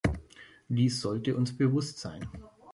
Dies sollte uns bewusst sein.